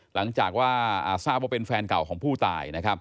หลังจากว่าอาซาเบอร์เป็นแฟนเก่าของผู้ตาย